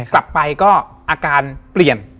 กลับไปก็อาการเปลี่ยน